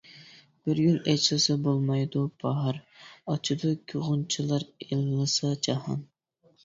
بىر گۈل ئېچىلسا بولمايدۇ باھار، ئاچىدۇ غۇنچىلار، ئىللىسا جاھان.